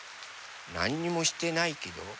なんにもしてないけど。